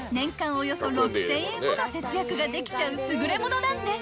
およそ６，０００円もの節約ができちゃう優れものなんです］